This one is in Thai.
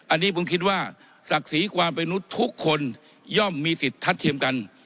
อันนี้ผมคิดว่าศักดิ์ศรีความเป็นมนุษย์ทุกคนย่อมมีสิทธิ์ทัดเทียมกัน